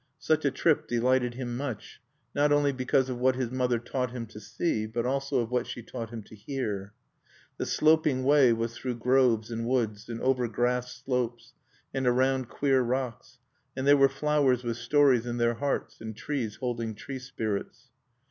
Such a trip delighted him much, not only because of what his mother taught him to see, but also of what she taught him to hear. The sloping way was through groves and woods, and over grassed slopes, and around queer rocks; and there were flowers with stories in their hearts, and trees holding tree spirits.